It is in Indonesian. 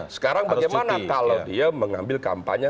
sekarang bagaimana kalau dia mengambil kampanye